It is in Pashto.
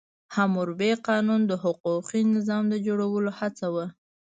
حموربي قانون د حقوقي نظام د جوړولو هڅه وه.